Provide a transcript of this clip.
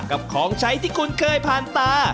ของใช้ที่คุณเคยผ่านตา